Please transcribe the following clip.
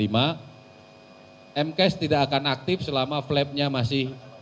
m cache tidak akan aktif selama flap nya masih